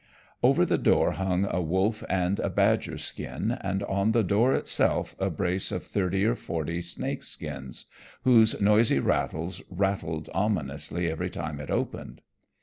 Over the door hung a wolf and a badger skin, and on the door itself a brace of thirty or forty snake skins whose noisy tails rattled ominously every time it opened.